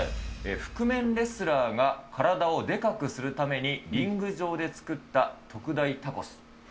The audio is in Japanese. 覆面レスラーが体をでかくするために、リング上で作った特大タコス。